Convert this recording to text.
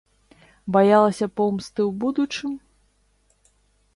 Баялася помсты ў будучым?